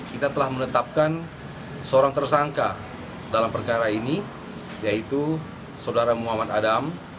kita telah menetapkan seorang tersangka dalam perkara ini yaitu saudara muhammad adam